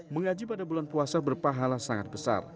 mengaji pada bulan puasa berpahala sangat besar